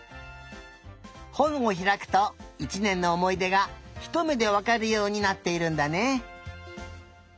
ほんをひらくと１ねんのおもいでがひとめでわかるようになっているんだね。